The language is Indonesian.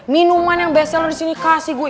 minuman yang best seller disini kasih gue